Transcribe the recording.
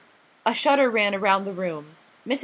A shudder ran around the room. Mrs.